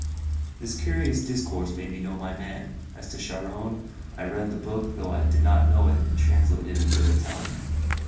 This curious discourse made me know my man. As to Charron, I had read the book though I did not know it had been translated into Italian.